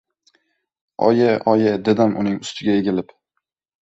— Oyi, oyi! — dedim uning ustiga egilib.